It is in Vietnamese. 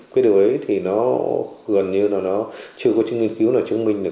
cái điều đấy thì nó gần như là nó chưa có nghiên cứu nào chứng minh được